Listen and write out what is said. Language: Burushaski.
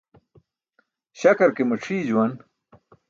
Śakar ke macʰii juwan.